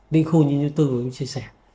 đinh khu như như tôi vừa mới chia sẻ